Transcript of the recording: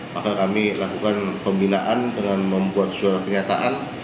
maka kami lakukan pembinaan dengan membuat suara kenyataan